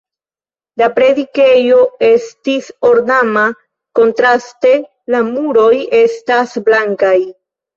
La predikejo estis ornama, kontraste la muroj estas blankaj.